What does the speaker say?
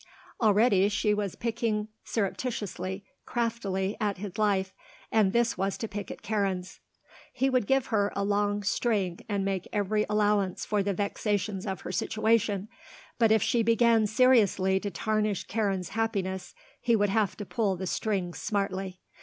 Already she was picking surreptitiously, craftily, at his life; and this was to pick at Karen's. He would give her a long string and make every allowance for the vexations of her situation; but if she began seriously to tarnish Karen's happiness he would have to pull the string smartly.